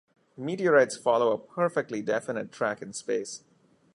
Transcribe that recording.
Meteorites follow a perfectly definite track in space.